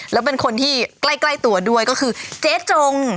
แล้วเป็นคนที่ใกล้ตัวด้วยก็คือเจ๊จง